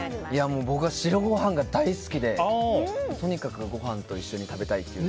僕は白ご飯が大好きでとにかくご飯と一緒に食べたい。